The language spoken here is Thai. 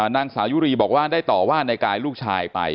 นางสาวยุรีบอกว่าได้ต่อว่าในกายลูกชายไป